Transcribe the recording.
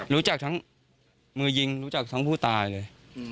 รู้จักทั้งมือยิงรู้จักทั้งผู้ตายเลย